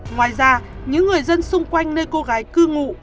ngoài ra những người dân xung quanh nơi cô gái cư ngụ